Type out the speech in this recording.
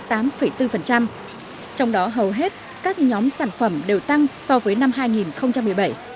trong đó hầu hết các nhóm sản phẩm đều tăng so với năm hai nghìn một mươi bảy